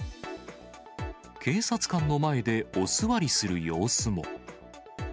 警察官の前でお座りする様子も。